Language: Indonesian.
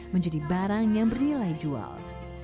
menjadi barang yang bernilai jual